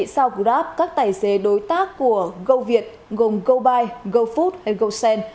sau cuộc đáp các tài xế đối tác của goviet gồm gobuy gofood hay gosend